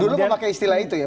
dulu memakai istilah itu ya